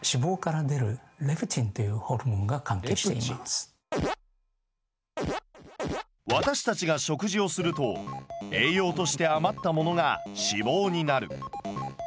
それは私たちが食事をすると栄養として余ったものが脂肪になる。